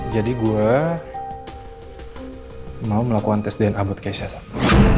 jadi gue mau melakukan tes dna buat keisha shay